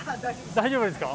大丈夫ですか。